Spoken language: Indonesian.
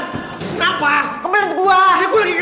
kenapa kebelet buah